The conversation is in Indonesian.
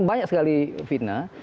banyak sekali fitnah